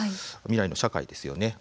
未来の社会ですよね。